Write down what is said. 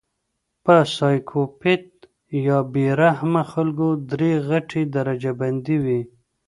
پۀ سايکو پېت يا بې رحمه خلکو درې غټې درجه بندۍ وي